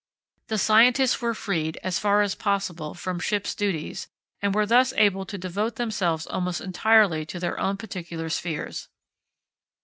The scientists were freed, as far as possible, from ship's duties, and were thus able to devote themselves almost entirely to their own particular spheres.